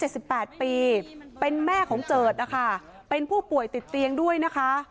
สิบแปดปีเป็นแม่ของเจิดนะคะเป็นผู้ป่วยติดเตียงด้วยนะคะ